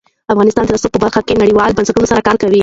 افغانستان د رسوب په برخه کې نړیوالو بنسټونو سره کار کوي.